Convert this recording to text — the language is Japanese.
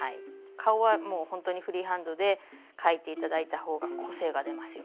顔はもうほんとにフリーハンドで描いて頂いたほうが個性が出ますよ。